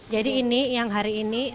jadi ini yang hari ini rp dua puluh